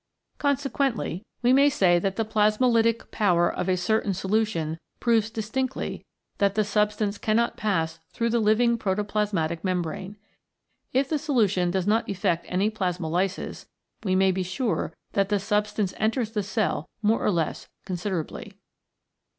Consequently, we may say 37 CHEMICAL PHENOMENA IN LIFE that the plasmolytic power of a certain solution proves distinctly that the substance cannot pass through the living protoplasmatic membrane. If the solution does not effect any plasmolysis, we may be sure that the substance enters the cell more or less considerably.